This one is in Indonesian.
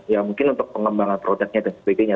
ya mungkin untuk pengembangan produknya dan sebagainya